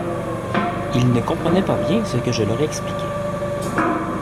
Ils ne comprenaient pas bien ce que je leur expliquais.